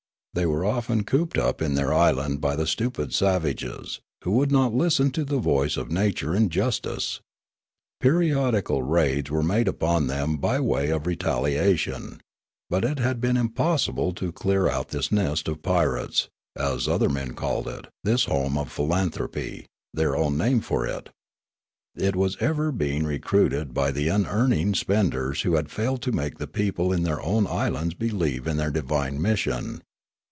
They were often cooped up in their island by the stupid savages, who would not listen to the voice of nature and justice. Periodical raids were made upon them by way of retaliation ; but it had been impossible to clear out this nest of pirates, as other men called it ; this home of philanthropy, their own name for it. It was ever being recruited by the unearning spenders who had failed to make the people in their own islands be lieve in their divine mission.